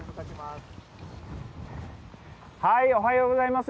おはようございます。